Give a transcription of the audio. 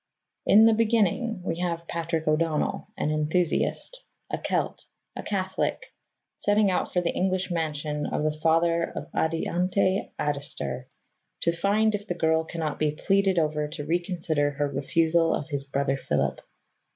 In the beginning we have Patrick O'Donnell, an enthusiast, a Celt, a Catholic, setting out for the English mansion of the father of Adiante Adister to find if the girl cannot be pleaded over to reconsider her refusal of his brother Philip.